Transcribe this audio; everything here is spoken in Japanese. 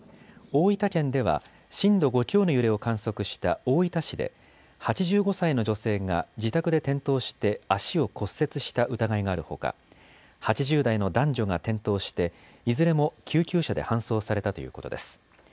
大分県では震度５強の揺れを観測した大分市で８５歳の女性が自宅で転倒して足を骨折した疑いがあるほか８０代の男女が転倒していずれも救急車で搬送されたということです。